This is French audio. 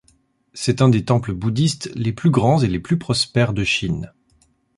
C'est un des temples bouddhistes les plus grands et les plus prospères de Chine.